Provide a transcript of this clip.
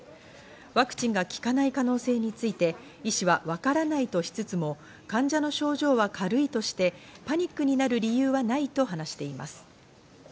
ワクチンが効かない可能性について医師はわからないとしつつも、患者の症状は軽いとしてパニックになる理由はないと話しています。